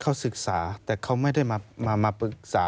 เขาศึกษาแต่เขาไม่ได้มาปรึกษา